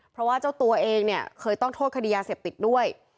เพราะว่าเจ้าตัวเองเนี่ยเคยต้องโทษคดียาเสพติดด้วย